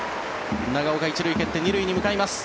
長岡、１塁蹴って２塁に向かいます。